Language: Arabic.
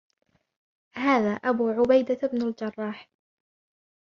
هَذَا أَبُو عُبَيْدَةَ بْنُ الْجَرَّاحِ